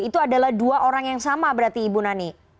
itu adalah dua orang yang sama berarti ibu nani